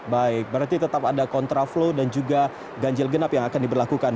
baik berarti tetap ada kontraflow dan juga ganjil genap yang akan diberlakukan